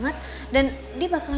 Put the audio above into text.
gini tuh lo